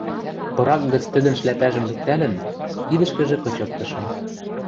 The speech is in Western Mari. Пырак гӹц тӹдӹн шляпӓжӹм лӱктӓлӹн, кидӹшкӹжӹ кычыктышым...